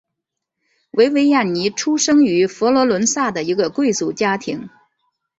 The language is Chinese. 维维亚尼出生于佛罗伦萨的一个贵族家庭。